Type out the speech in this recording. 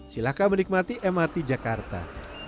silahkan menikmati mrt jakarta